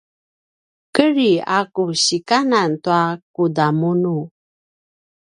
kedri a ku sikanan tua kudamunu